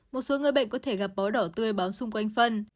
một số người bệnh có thể gặp bó đỏ tươi báo xung quanh phân